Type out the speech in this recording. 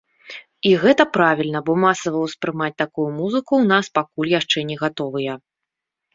І гэта правільна, бо масава ўспрымаць такую музыку ў нас пакуль яшчэ не гатовыя.